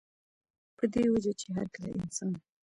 پۀ دې وجه چې هر کله انسان